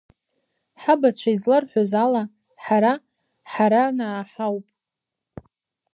Ҳабацәа изларҳәоз ала, ҳара Ҳаранаа ҳауп.